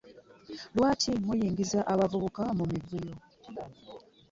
Lwaki muyingiza abavubuka mu muvuyo?